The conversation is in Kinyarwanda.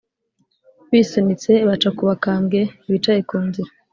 bisunitse, baca ku bakambwe bicaye ku nzira.